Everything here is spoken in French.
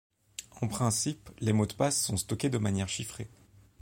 En principe, les mots de passe sont stockés de manière chiffrée.